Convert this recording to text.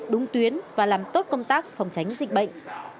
đúng tuyến và làm tốt công tác phòng tránh dịch bệnh